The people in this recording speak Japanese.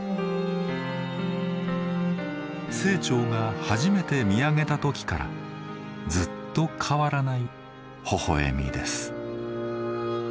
清張が初めて見上げた時からずっと変わらないほほ笑みです。